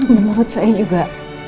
menurut saya juga